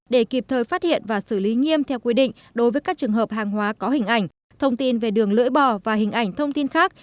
để kịp thời phát hiện và xử lý nghiêm theo quy định đối với các trường hợp hàng hóa có hình ảnh thông tin về đường lưỡi bò và hình ảnh thông tin khác